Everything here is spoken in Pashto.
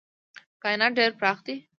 کاینات ډېر پراخ دي.